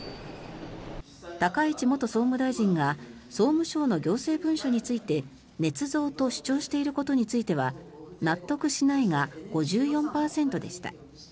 高市元総務大臣が総務省の行政文書についてねつ造と主張していることについては納得しないが５４％でした。